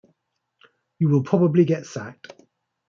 You will probably get sacked.